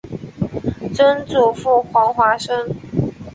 曾祖父黄华生。